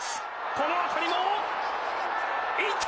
この当たりも、いった！